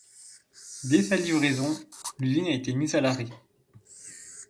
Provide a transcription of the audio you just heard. Dès sa livraison, l'usine a été mise à l'arrêt.